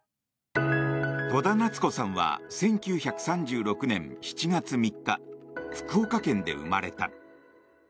戸田奈津子さんは１９３６年７月３日福岡県で生まれた。